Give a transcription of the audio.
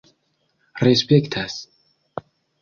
respektas